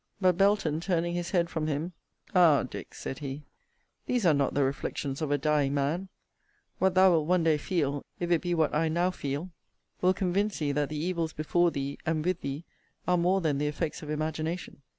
But Belton turning his head from him, Ah, Dick! (said he,) these are not the reflections of a dying man! What thou wilt one day feel, if it be what I now feel, will convince thee that the evils before thee, and with thee, are more than the effects of imagination.